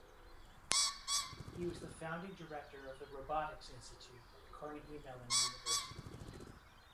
He was the founding director of the Robotics Institute at Carnegie Mellon University.